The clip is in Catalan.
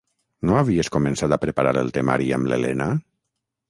No havies començat a preparar el temari amb l'Elena?